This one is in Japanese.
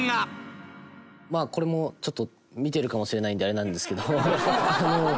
これもちょっと見てるかもしれないんであれなんですけど。